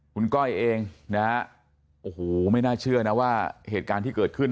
คุณก้อยเองนะฮะโอ้โหไม่น่าเชื่อนะว่าเหตุการณ์ที่เกิดขึ้น